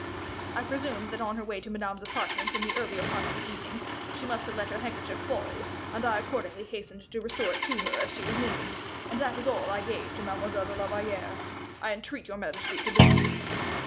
I presumed that on her way to Madame's apartment in the earlier part of the evening she had let her handkerchief fall, and I accordingly hastened to restore it to her as she was leaving; and that is all I gave to Mademoiselle de la Valliere, I entreat your majesty to believe."